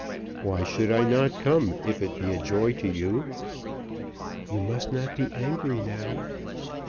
"Why should I not come if it be a joy to you?" "You must not be angry now."